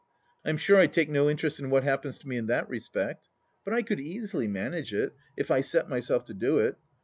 I'm sure I take no interest in what happens to me in that respect. But I could easily manage it, if I set myself to do it.